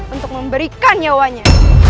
untuk memberikan nyawanya